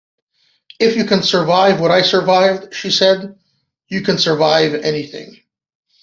"If you can survive what I survived," she said, "you can survive anything.